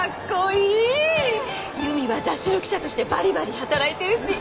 由美は雑誌の記者としてバリバリ働いてるし。